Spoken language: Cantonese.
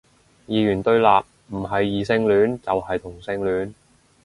二元對立，唔係異性戀就係同性戀